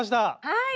はい！